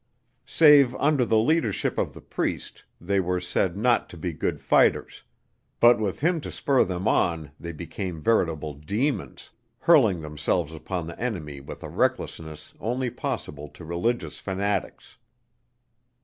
Save under the leadership of the priest, they were said not to be good fighters, but with him to spur them on they became veritable demons, hurling themselves upon the enemy with a recklessness only possible to religious fanatics.